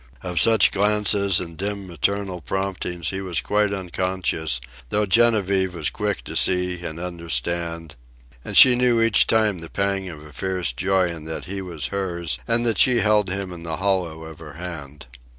Of such glances and dim maternal promptings he was quite unconscious, though Genevieve was quick to see and understand; and she knew each time the pang of a fierce joy in that he was hers and that she held him in the hollow of her hand.